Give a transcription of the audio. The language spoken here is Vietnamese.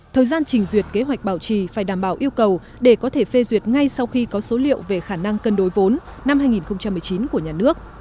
thời gian trình duyệt kế hoạch bảo trì phải đảm bảo yêu cầu để có thể phê duyệt ngay sau khi có số liệu về khả năng cân đối vốn năm hai nghìn một mươi chín của nhà nước